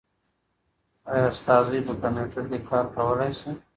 ایا ستا زوی په کمپیوټر کې کار کولای شي؟